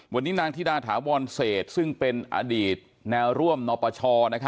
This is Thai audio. วันนี้นางธิดาถาวรเศษซึ่งเป็นอดีตแนวร่วมนปช